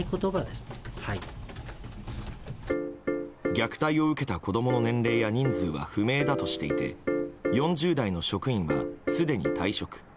虐待を受けた子供の年齢や人数は不明だとしていて４０代の職員は、すでに退職。